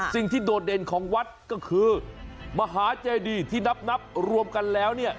โดดเด่นของวัดก็คือมหาเจดีที่นับรวมกันแล้วเนี่ย